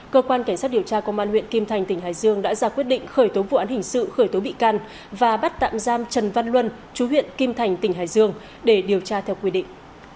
cơ quan cảnh sát điều tra công an huyện kim thành tỉnh hải dương đã ra quyết định khởi tố vụ án hình sự khởi tố bị can và bắt tạm giam trần văn luân chú huyện kim thành tỉnh hải dương để điều tra theo quy định